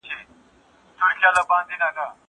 زه لوښي نه وچوم؟!